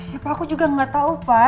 ya pak aku juga gak tahu pak